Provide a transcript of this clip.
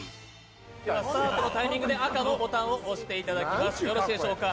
スタートのタイミングで赤のボタンを押していただきます。